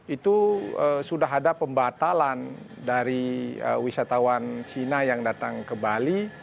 itu sudah ada pembatalan dari wisatawan cina yang datang ke bali